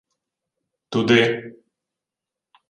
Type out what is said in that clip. — Туди.